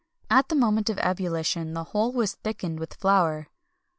At the moment of ebullition, the whole was thickened with flour.